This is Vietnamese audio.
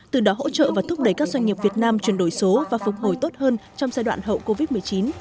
từ đó hỗ trợ và thúc đẩy các doanh nghiệp việt nam chuyển đổi số và phục hồi tốt hơn trong giai đoạn hậu covid một mươi chín